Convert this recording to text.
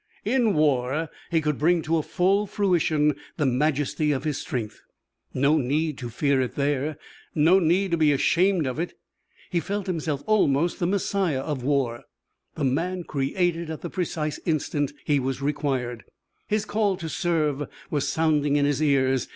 In war he could bring to a full fruition the majesty of his strength. No need to fear it there, no need to be ashamed of it. He felt himself almost the Messiah of war, the man created at the precise instant he was required. His call to serve was sounding in his ears.